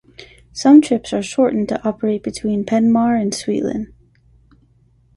Some trips are shortened to operate between Penn Mar and Suitland.